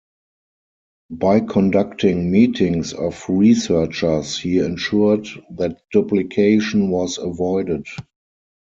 By conducting meetings of researchers he ensured that duplication was avoided.